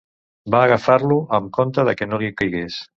Va agafar-lo amb conte de que no li caigués